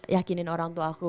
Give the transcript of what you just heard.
yakinin orang tua aku